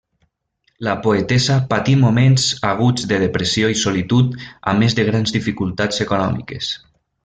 La poetessa patí moments aguts de depressió i solitud a més de grans dificultats econòmiques.